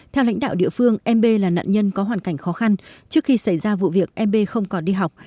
theo lãnh đạo địa phương mb là nạn nhân có hoàn cảnh khó khăn trước khi xảy ra vụ việc mb không còn đi học